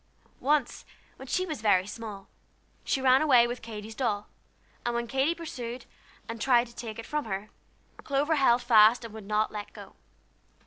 Once, when she was very small, she ran away with Katy's doll, and when Katy pursued, and tried to take it from her, Clover held fast and would not let go.